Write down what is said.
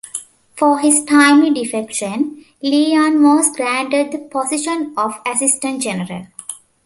For his timely defection, Li Yan was granted the position of "Assistant General".